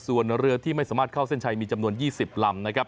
ส่วนเรือที่ไม่สามารถเข้าเส้นชัยมีจำนวน๒๐ลำนะครับ